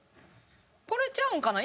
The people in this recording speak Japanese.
これちゃうんかな？